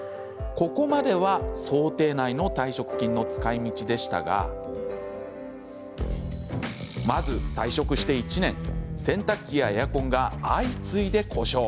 ここまでは、想定内の退職金の使いみちでしたがまず、退職して１年洗濯機やエアコンが相次いで故障。